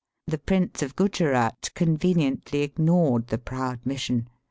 The Prince of Guzerat conveniently ignored the proud mission.